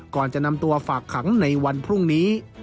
ก่อนจะนำตัวฝากขังในวันพรุ่งนี้